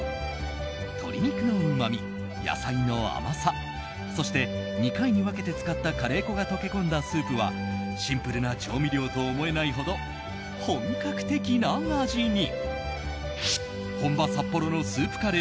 鶏肉のうまみ、野菜の甘さそして、２回に分けて使ったカレー粉が溶け込んだスープはシンプルな調味料と思えないほど本格的な味に。